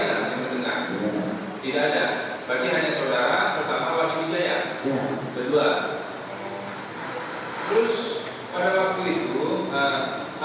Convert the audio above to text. saudara yang pernah menanggung indah